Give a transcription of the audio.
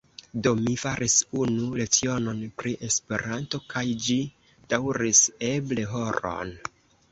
Do, mi faris unu lecionon pri Esperanto, kaj ĝi daŭris eble horon.